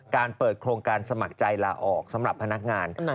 เปิดโครงการสมัครใจลาออกสำหรับพนักงาน